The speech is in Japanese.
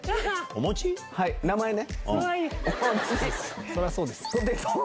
はい名前ね。